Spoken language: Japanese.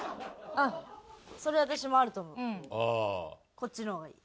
こっちの方がいい。